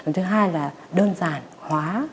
thứ hai là đơn giản hóa